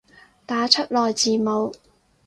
打出來字母